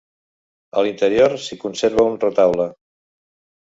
A l'interior s'hi conserva un retaule.